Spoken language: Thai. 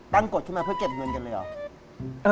ตั้งกฎที่มาเพื่อเก็บเงินกันเลยหรือ